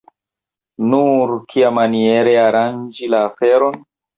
Nur kiamaniere aranĝi la aferon?